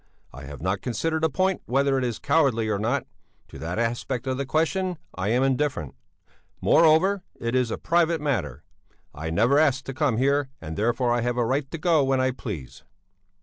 I have not considered the point whether it is cowardly or not to that aspect of the question I am indifferent; moreover, it is a private matter; I never asked to come here and therefore I have a right to go when I please.